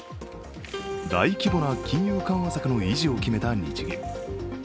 大規模な金融緩和策の維持を決めた日銀。